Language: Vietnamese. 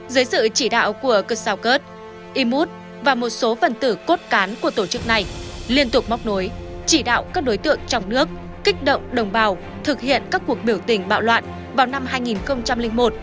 dưới sự chỉ đạo của cơ sao cớt y mút và một số phần tử cốt cán của tổ chức này liên tục móc nối chỉ đạo các đối tượng trong nước kích động đồng bào thực hiện các cuộc biểu tình bạo loạn vào năm hai nghìn một hai nghìn bốn